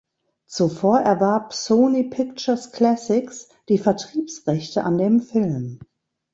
Zuvor erwarb Sony Pictures Classics die Vertriebsrechte an dem Film.